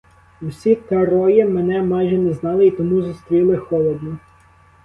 Всі троє мене майже не знали і тому зустріли холодно.